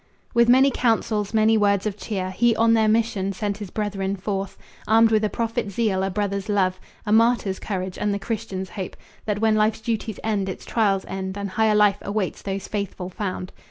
With many counsels, many words of cheer, He on their mission sent his brethren forth, Armed with a prophet's zeal, a brother's love, A martyr's courage, and the Christian's hope That when life's duties end, its trials end, And higher life awaits those faithful found.